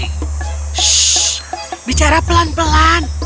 hush bicara pelan pelan